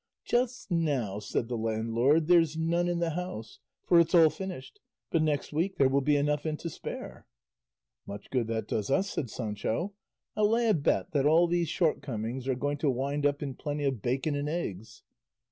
"Just now," said the landlord, "there's none in the house, for it's all finished; but next week there will be enough and to spare." "Much good that does us," said Sancho; "I'll lay a bet that all these short comings are going to wind up in plenty of bacon and eggs."